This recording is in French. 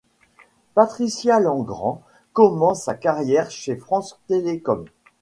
Patricia Langrand commence sa carrière chez France Télécom.